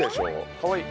かわいい。